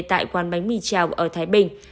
tại quán bánh mì chảo ở thái bình